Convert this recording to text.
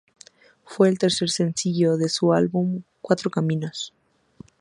Fue el tercer sencillo de su álbum "Cuatro caminos".